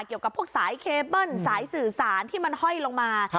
เกี่ยวกับพวกสายเคเบิ้ลสายสื่อสารที่มันห้อยลงมา